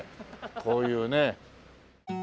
こういうね。